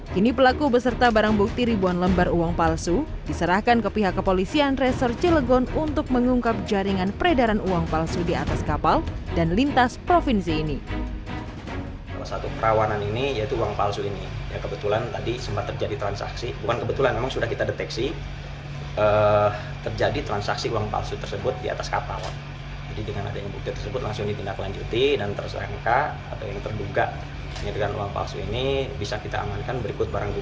kini pelaku beserta barang bukti ribuan lembar uang palsu diserahkan ke pihak kepolisian resor cilegon untuk mengungkap jaringan peredaran uang palsu di atas kapal dan lintas provinsi ini